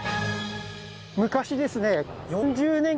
昔ですね